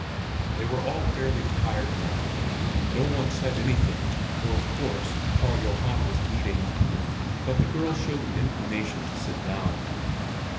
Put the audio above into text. They were all fairly tired now. No one said anything, for of course Karl Johan was leading; but the girls showed an inclination to sit down.